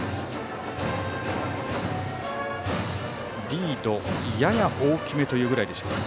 リードやや大きめというぐらいか。